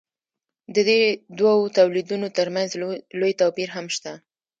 د دې دوو تولیدونو ترمنځ لوی توپیر هم شته.